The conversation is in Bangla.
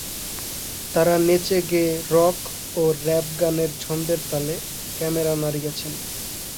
তাঁরা নেচেগেয়ে রক ও র্যাপ গানের ছন্দের তালে ক্যামেরা নাড়িয়েছেন।